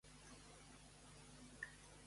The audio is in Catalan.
Qui va reclamar a Peumans a Madrid?